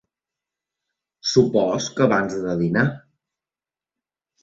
Suposo que abans de dinar.